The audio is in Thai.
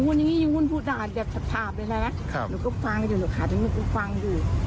หนูก็ฟังอยู่หนูขาดทั้งมือกูฟังอยู่